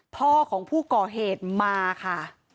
พ่อของผู้ก่อเหตุมาค่ะ